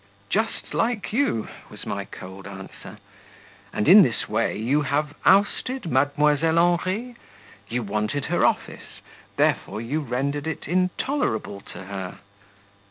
"Just like you," was my cold answer. "And in this way you have ousted Mdlle. Henri? You wanted her office, therefore you rendered it intolerable to her?"